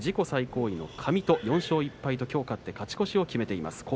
最高位の上戸４勝１敗ときょう勝って勝ち越しを決めています。